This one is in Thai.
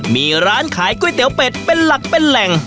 มีร้านขายก๋วยเตี๋ยวเป็ดเป็นหลักเป็นแหล่ง